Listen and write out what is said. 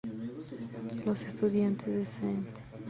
Los estudiantes de St.